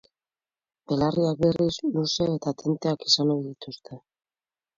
Belarriak, berriz, luze eta tenteak izan ohi dituzte.